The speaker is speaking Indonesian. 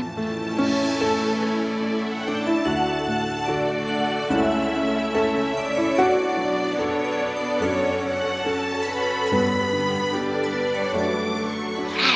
jangan lupa aku akan mencarimu